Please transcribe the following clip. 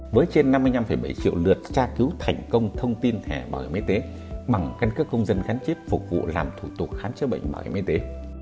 với trên năm mươi năm bảy triệu lượt tra cứu thành công thông tin thẻ bảo hiểm y tế bằng căn cước công dân gắn chip phục vụ làm thủ tục khám chữa bệnh bảo hiểm y tế